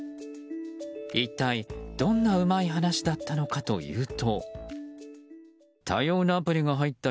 一体どんなうまい話だったのかというと。